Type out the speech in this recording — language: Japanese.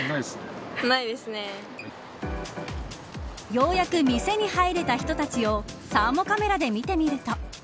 ようやく店に入れた人たちをサーモカメラで見てみると。